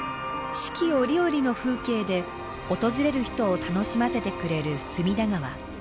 四季折々の風景で訪れる人を楽しませてくれる隅田川。